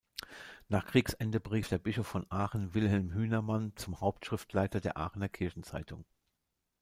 Nach Kriegsende berief der Bischof von Aachen Wilhelm Hünermann zum Hauptschriftleiter der Aachener Kirchenzeitung.